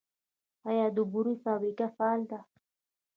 آیا د بورې فابریکه فعاله ده؟